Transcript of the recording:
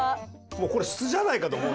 もうこれ素じゃないかと。